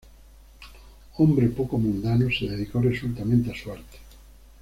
Hombre poco mundano, se dedicó resueltamente a su arte.